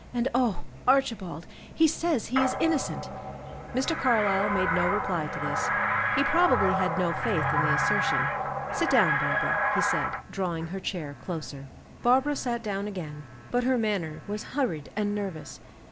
And, oh, Archibald! He says he is innocent." Mr. Carlyle made no reply to this. He probably had no faith in the assertion. "Sit down, Barbara," he said drawing her chair closer. Barbara sat down again, but her manner was hurried and nervous.